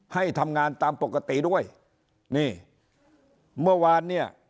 ให้ทำงานตามปกติด้วยนี่เมื่อวานเนี่ย